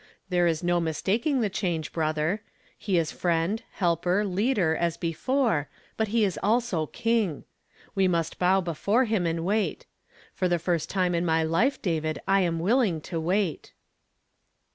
There is no mistaking the change, brother; he is Friend, Helper, Leader, as be fore, but he is also King. We must bow before him and wait. For the first time in my life, David, I am willing to wait."